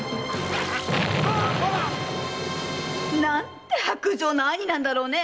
何て薄情な兄なんだろうね。